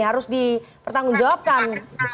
harus dipertanggung jawabkan